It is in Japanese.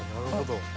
なるほど。